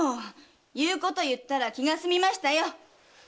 言うこと言ったら気が済みましたよ。